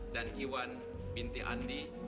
dan iwan binti andi